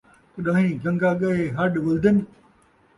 کݙان٘ہیں گن٘گا ڳئے ہݙ ولدِن ؟